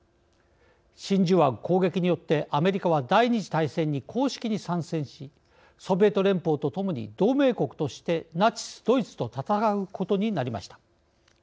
真珠湾攻撃によってアメリカは第二次大戦に公式に参戦しソビエト連邦とともに同盟国としてナチスドイツと戦うことになりました。